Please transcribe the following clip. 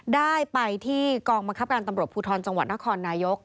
ได้ไปที่กองบังคับการตำรวจภูทรจังหวัดนครนายก